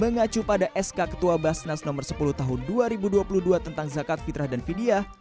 mengacu pada sk ketua basnas nomor sepuluh tahun dua ribu dua puluh dua tentang zakat fitrah dan fidyah